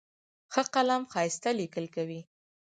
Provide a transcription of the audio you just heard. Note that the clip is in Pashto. ښه قلم ښایسته لیکل کوي.